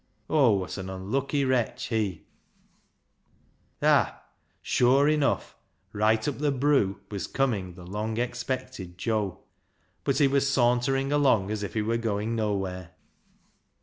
Oh, what an unlucky wretch he — Ah ! Sure enough, right up the " broo " was coming the long expected Joe, but he was sauntering along as if he were going nowhere.